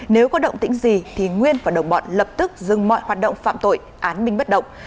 nếu có động tĩnh gì thì nguyên và đồng bọn lập tức dừng mọi hoạt động phạm tội án minh bất động